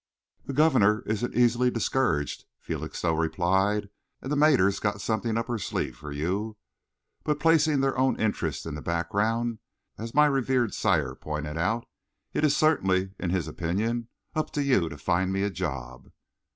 "The governor isn't easily discouraged," Felixstowe replied, "and the mater's got something up her sleeve for you. But placing their own interests in the background, as my revered sire pointed out, it is certainly, in his opinion, up to you to find me a job."